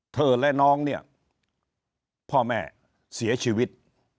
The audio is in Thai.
และน้องเนี่ยพ่อแม่เสียชีวิต